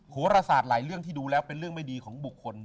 โหรศาสตร์หลายเรื่องที่ดูแล้วเป็นเรื่องไม่ดีของบุคคล